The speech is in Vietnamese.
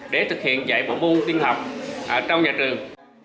để thực hiện dạy bộ môn tiên học trong nhà trường